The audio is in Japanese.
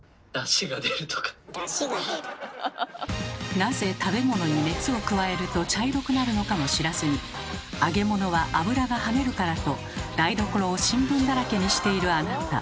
なぜ食べ物に熱を加えると茶色くなるのかも知らずに揚げ物は油がはねるからと台所を新聞だらけにしているあなた。